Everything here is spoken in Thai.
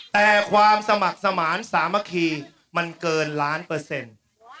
แต่ความสมัครสมานสามัคคีมันเกินล้านเปอร์เซ็นต์